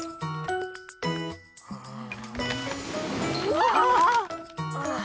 うわ！ああ。